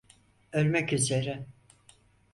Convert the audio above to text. Ölmek üzere.